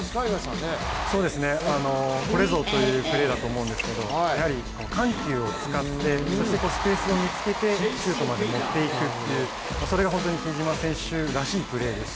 これぞというプレーだと思うんですけどやはり緩急を使って、そしてスペースを見つけてシュートまで持っていくというそれが比江島選手らしいプレーです。